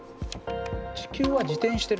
地球は自転してる。